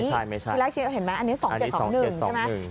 ทีแรกเห็นมั้ยอันนี้๒๗๒๑ใช่ไหม